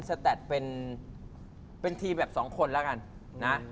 สแท็ดเป็นเป็นทีมแบบ๒คนละกันนะ